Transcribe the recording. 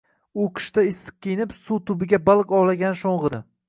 U qishda issiq kiyinib, suv tubiga baliq ovlagani sho'ng'idi.